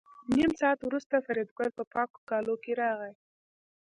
نیم ساعت وروسته فریدګل په پاکو کالو کې راغی